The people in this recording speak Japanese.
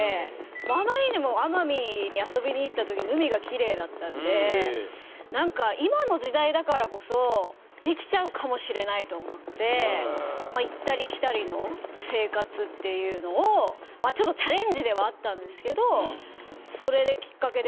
あまりにも奄美に遊びに行った時海がキレイだったんで何か今の時代だからこそできちゃうかもしれないと思って行ったり来たりの生活っていうのをちょっとチャレンジではあったんですけどそれでキッカケで。